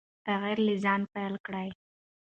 تغیر له ځانه پیل کړئ.